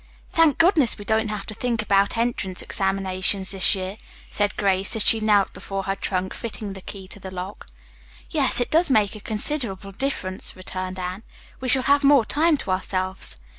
"Thank goodness, we don't have to think about entrance examinations this year," said Grace, as she knelt before her trunk, fitting the key to the lock. "Yes, it does make considerable difference," returned Anne. "We shall have more time to ourselves.